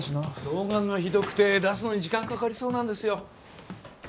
老眼がひどくて出すのに時間かかりそうなんですよ。